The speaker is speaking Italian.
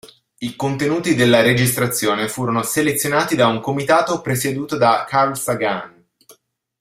I contenuti della registrazione furono selezionati da un comitato presieduto da Carl Sagan.